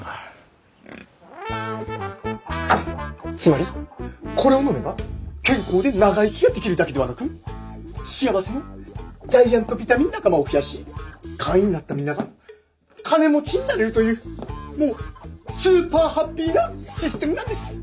つまりこれを飲めば健康で長生きができるだけではなく幸せのジャイアントビタミン仲間を増やし会員になったみんなが金持ちになれるというもうスーパーハッピーなシステムなんです。